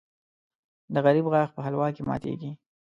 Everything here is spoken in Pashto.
د غریب غاښ په حلوا کې ماتېږي .